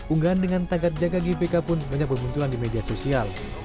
unggaan dengan tangga jaga gbk pun banyak berbunculan di media sosial